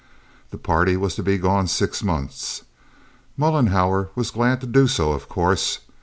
The party was to be gone six months. Mollenhauer was glad to do so, of course.